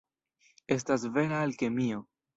Estas vera alkemio.